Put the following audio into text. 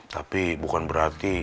tapi bukan berarti